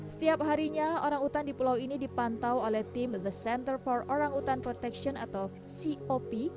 setiap harinya orang utan di pulau ini dipantau oleh tim the center for orang utan protection atau cop